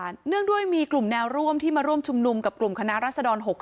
เนื่องด้วยมีกลุ่มแนวร่วมที่มาร่วมชุมนุมกับกลุ่มคณะรัศดร๖๓